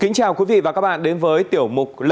kính chào quý vị và các bạn đến với tiểu mục lệnh truy nã